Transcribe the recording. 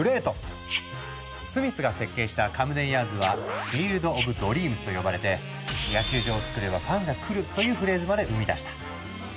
スミスが設計したカムデンヤーズは「フィールドオブドリームス」と呼ばれてというフレーズまで生み出した。